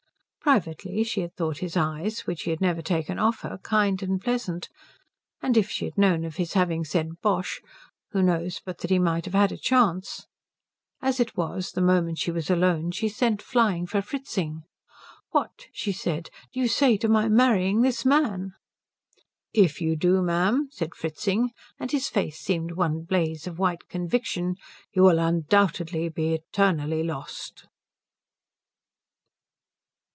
Privately she had thought, his eyes, which he had never taken off her, kind and pleasant; and if she had known of his having said Bosh who knows but that he might have had a chance? As it was, the moment she was alone she sent flying for Fritzing. "What," she said, "do you say to my marrying this man?" "If you do, ma'am," said Fritzing, and his face seemed one blaze of white conviction, "you will undoubtedly be eternally lost."